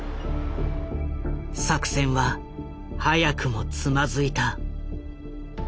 作戦は早くもつまずいた。